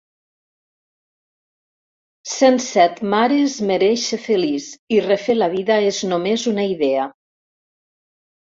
Cent set mare es mereix ser feliç i refer la vida és només una idea.